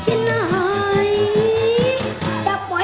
จะปล่อยเธอร้อยตัวอุ้น